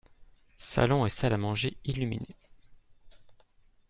Salon et salle à manger illuminés.